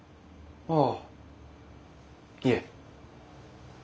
ああいえ。